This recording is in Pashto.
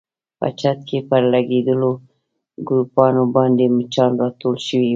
په چت کې پر لګېدلو ګروپانو باندې مچان راټول شوي ول.